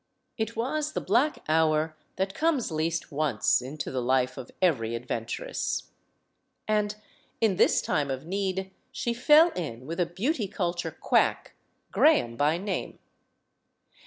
It was the black hour that comes least once into the life of every adventuress. And, in this time of need, she fell in with a beauty culture quack, Graham by name.